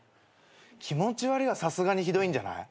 気持ち悪いはさすがにひどいんじゃない？